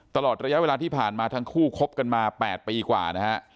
ตลอดระยะเวลาที่ผ่านมาทั้งคู่คบกันมา๘ปีกว่านะฮะ